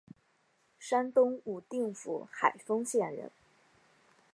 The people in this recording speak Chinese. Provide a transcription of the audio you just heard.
山东武定府海丰县人。